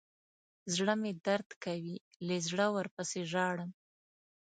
زړه مې درد کوي له زړه ورپسې ژاړم.